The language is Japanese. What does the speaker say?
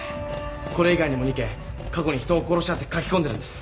これ以外にも２件過去に人を殺したって書き込んでるんです。